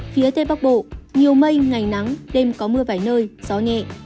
phía tây bắc bộ nhiều mây ngày nắng đêm có mưa vài nơi gió nhẹ